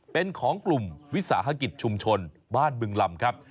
เป็นของกลุ่มวิสาหกิจชุมชนบ้านบึงลำครับ